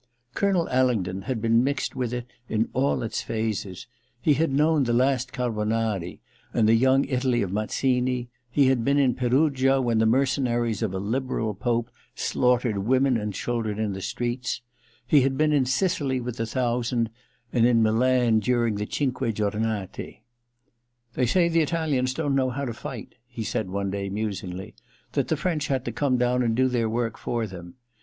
Colonel Alingdon had been mixed with it in all its phases : he had known the last Carbonari and the Young Italy of Mazzini ; he had been in Perugia when the mercenaries of a liberal Pope slaughtered women and children in the streets ; he had been in I THE LETTER 237 Sicily with the Thousand, and in Milan during the Cinque Giomate. * They say the Italians didn't know how to fight,' he said one day, musingly —* that the French had to come down and do their work for them.